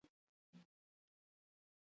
کرکټ د انګلستان يوه پخوانۍ بازي ده.